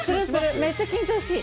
めっちゃ緊張しい。